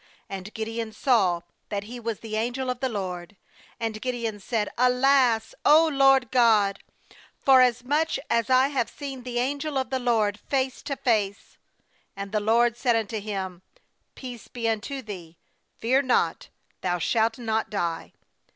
^And Gideon saw that he was the angel of the LORD; and Gideon said: 'Alas, O Lord GOD! forasmuch as I have seen the angel of the LORD face to f ace. J ^And the LORD said unto him: 'Peace be unto thee; fear not; thou shalt not die.'